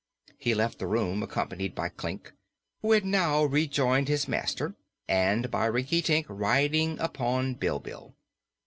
He left the room, accompanied by Klik, who had now rejoined his master, and by Rinkitink riding upon Bilbil.